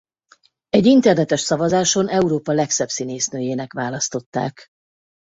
Egy internetes szavazáson Európa legszebb színésznőjének választották.